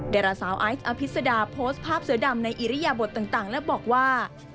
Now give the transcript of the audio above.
ดาราสาวไอซ์อภิษดาโพสต์ภาพเสือดำในอิริยบทต่างและบอกว่า